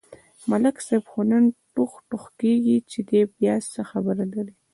ملک صاحب خو نن ټوغ ټوغ کېږي، چې دی بیا څه خبره لري.